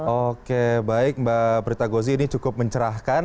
oke baik mbak pritagozi ini cukup mencerahkan